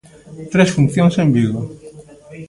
Tres funcións en Vigo!